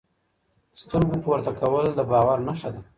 سترګو پورته کول د باور نښه ده.